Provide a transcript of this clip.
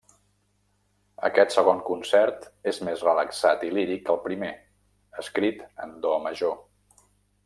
Aquest segon concert és més relaxat i líric que el primer, escrit en do major.